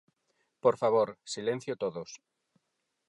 Por favor, silencio todos.